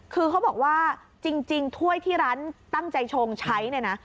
คือเขาบอกว่าจริงถ้วยที่ร้านตั้งใจชงใช้เนี่ยนะ